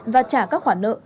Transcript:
và trả các khoản nợ